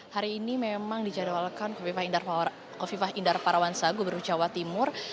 hari ini memang dijadwalkan kofifah indar parawansa gubernur jawa timur